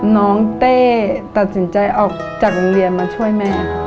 เต้ตัดสินใจออกจากโรงเรียนมาช่วยแม่